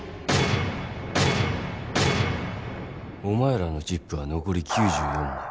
お前らのチップは残り９４枚。